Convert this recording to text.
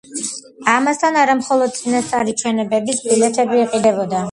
ამასთან, არა მხოლოდ წინასწარი ჩვენებების ბილეთები იყიდებოდა.